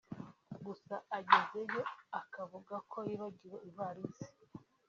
Gusa agezeyo akavuga ko yibagiwe ivarisi